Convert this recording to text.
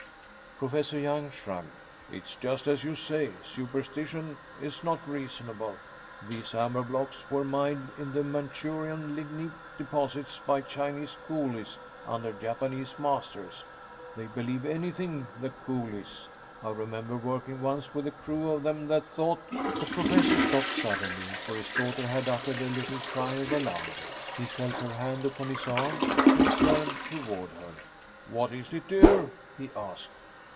Professor Young shrugged. "It is just as you say. Superstition is not reasonable. These amber blocks were mined in the Manchurian lignite deposits by Chinese coolies under Japanese masters. They believe anything, the coolies. I remember working once with a crew of them that thought " The professor stopped suddenly, for his daughter had uttered a little cry of alarm. He felt her hand upon his arm, and turned toward her. "What is it, dear?" he asked.